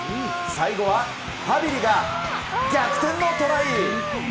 最後はハビリが逆転のトライ。